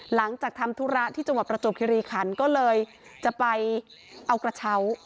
หลังจากทำธุระที่จังหวัดประจวบคิริขันก็เลยจะไปเอากระเช้า